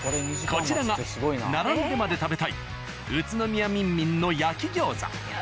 こちらが並んでまで食べたい「宇都宮みんみん」の安い。